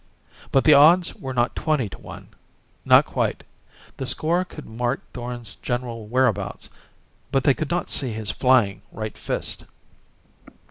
But the odds were not twenty to one. Not quite. The score could mark Thorn's general whereabouts but they could not see his flying right fist!